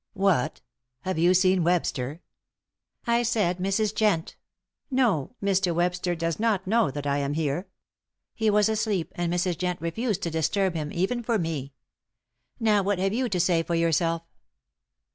"What! Have you seen Webster?" I said Mrs. Jent. "No, Mr. Webster does not know that I am here. He was asleep, and Mrs. Jent refused to disturb him even for me. Now what have you to say for yourself?"